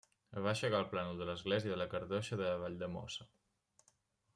Va aixecar el plànol de l'església de la Cartoixa de Valldemossa.